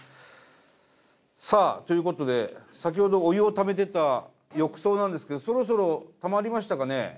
さあということで先ほどお湯をためてた浴槽なんですけどそろそろたまりましたかね？